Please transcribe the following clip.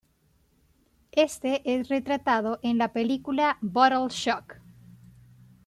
Este es retratado en la película Bottle Shock.